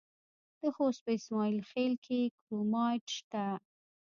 د خوست په اسماعیل خیل کې کرومایټ شته.